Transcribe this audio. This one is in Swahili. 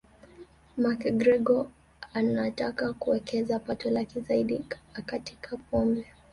McGregor anataka kuwekeza pato lake zaidi akatika pombe